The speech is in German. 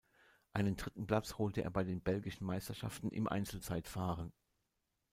Einen dritten Platz holte er bei den belgischen Meisterschaften im Einzelzeitfahren.